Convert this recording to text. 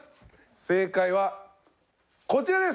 正解はこちらです。